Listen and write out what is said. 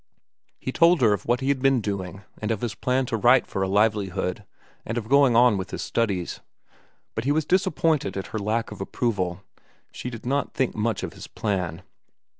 He told her of what he had been doing, and of his plan to write for a livelihood and of going on with his studies. But he was disappointed at her lack of approval. She did not think much of his plan.